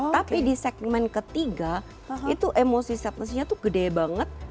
tapi di segmen ketiga itu emosi sadnessnya itu gede banget